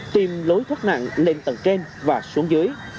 tìm lối thoát nạn lên tầng trên và xuống dưới